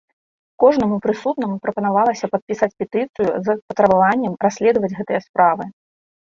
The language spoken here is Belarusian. Кожнаму прысутнаму прапанавалася падпісаць петыцыю з патрабаваннем расследаваць гэтыя справы.